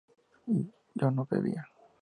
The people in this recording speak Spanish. ¿yo no bebía?